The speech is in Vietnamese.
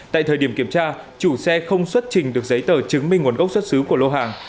tại thời điểm kiểm tra chủ xe không xuất trình được giấy tờ chứng minh nguồn gốc xuất xứ của lô hàng